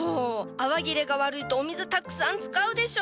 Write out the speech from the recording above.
泡切れが悪いとお水たくさん使うでしょ！？